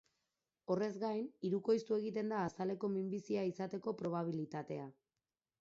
Horrez gain, hirukoiztu egiten da azaleko minbizia izateko probabilitatea.